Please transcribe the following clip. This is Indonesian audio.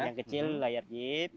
yang kecil layar jeep